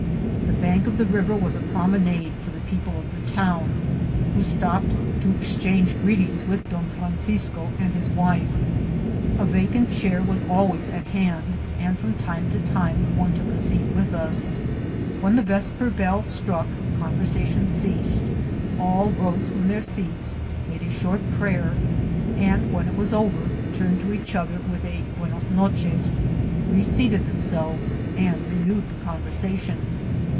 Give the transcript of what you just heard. The bank of the river was a promenade for the people of the town, who stopped to exchange greetings with Don Fran 380 INCIDENTS OF TRAVEL. cisco and his wife ; a vacant chair was always at hand, and from time to time one took a seat with us. When the vesper bell struck conversation ceased, all rose from their seats, made a short prayer, and when it was over turned to each other with a buenos noces, reseated themselves, and renewed the conversation.